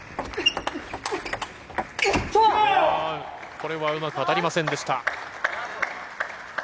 これはうまく当たりませんでした。